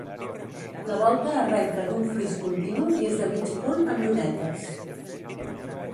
La volta arrenca d'un fris continu i és de mig punt amb llunetes.